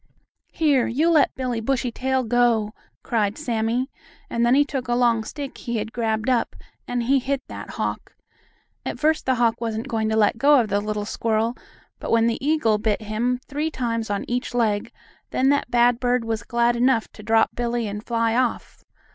"Here, you let Billie Bushytail go!" cried Sammie, and then he took a long stick he had grabbed up, and he hit that hawk. At first the hawk wasn't going to let go of the little squirrel, but when the eagle bit him three times on each leg, then that bad bird was glad enough to drop Billie and fly off.